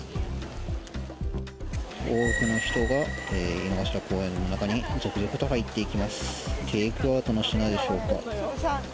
多くの人が井の頭公園の中に続々と入っていきます。